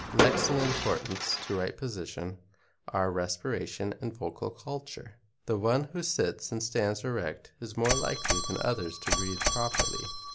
Next in importance to right position are respiration and vocal culture. The one who sits and stands erect is more likely than others to breathe properly.